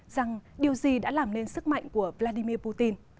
rằng điều gì đã làm nên sức mạnh của vladimir putin